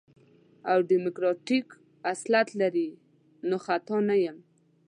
او ديموکراتيک اصالت لري نو خطا نه يم.